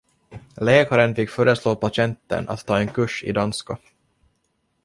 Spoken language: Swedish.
Läkaren fick föreslå patienten att ta en kurs i danska.